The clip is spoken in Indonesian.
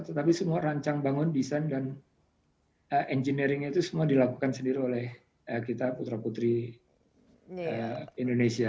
tetapi semua rancang bangun desain dan engineering itu semua dilakukan sendiri oleh kita putra putri indonesia